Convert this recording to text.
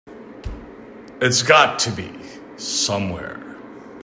It's got to be somewhere.